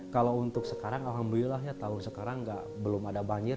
kalau untuk sekarang alhamdulillah ya tahun sekarang belum ada banjir